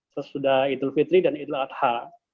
sesudah idul fitri dan idul adha